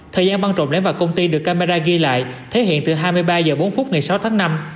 thời gian băng trộm lém vào công ty được camera ghi lại thể hiện từ hai mươi ba h bốn ngày sáu tháng năm